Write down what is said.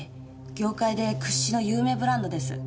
業界で屈指の有名ブランドです。